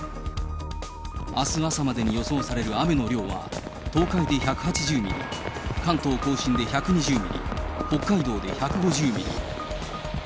あす朝までに予想される雨の量は東海で１８０ミリ、関東甲信で１２０ミリ、北海道で１５０ミリ。